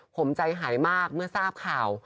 ผมใจหายมากเมื่อทราบข่าว